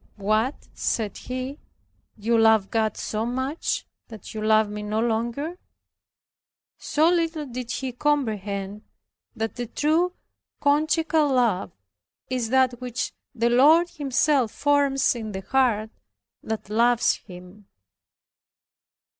"What," said he, "you love God so much, that you love me no longer." So little did he comprehend that the true conjugal love is that which the Lord Himself forms in the heart that loves Him.